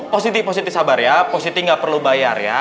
pak siti pak siti sabar ya pak siti gak perlu bayar ya